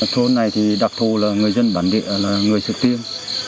thôn này đặc thù là người dân bản địa người sự tiên